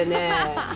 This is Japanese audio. ハハハハ。